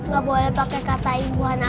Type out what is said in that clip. gak boleh pakai kata imbuhan apa